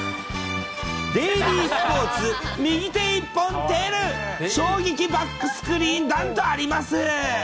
デイリースポーツ、右手一本輝、衝撃バックスクリーン弾とあります。